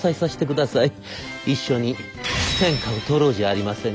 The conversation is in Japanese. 一緒に天下を取ろうじゃありませんか」。